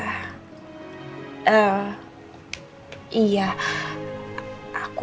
mbak mbak bella ini nggak tenang itu